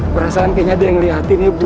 perasaan kayaknya ada yang ngeliatin ya bu